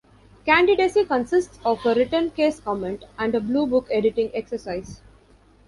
Candidacy consists of a written case comment and a Bluebook editing exercise.